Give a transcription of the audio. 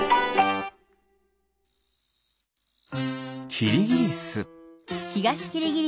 キリギリス。